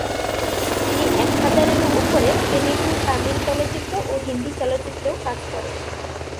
তিনি এক হাজারেরও উপরে তেলুগু, তামিল চলচ্চিত্র ও হিন্দি চলচ্চিত্রেও কাজ করেন।